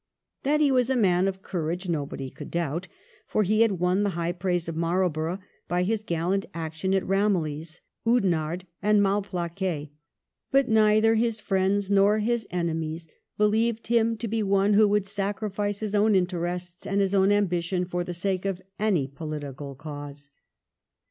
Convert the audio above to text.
That he was a man of courage nobody could doubt, for he had won the high praise of Marlborough by his gallant action at Eamillies, Oudenarde, and Mal plaquet; but neither his friends nor his enemies believed him to be one who would sacrifice his own interests and his own ambition for the sake of any political cause.